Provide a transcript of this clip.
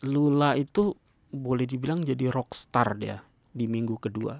lula itu boleh dibilang jadi rockstar dia di minggu kedua